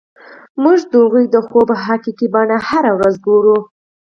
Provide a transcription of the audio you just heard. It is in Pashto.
موږ د هغوی د خوب حقیقي بڼه هره ورځ ګورو